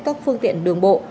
các phương tiện đường bộ